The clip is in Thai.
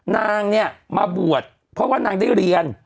นางเนี่ยมาบวชเพราะว่านางได้เรียน